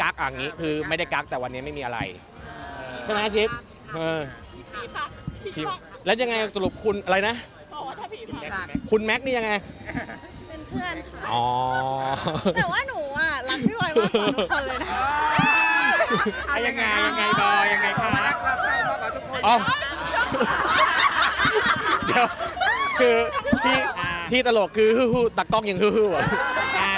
คือที่ตลกคือฮื้อตั๊กต้องยังฮื้ออ่ะ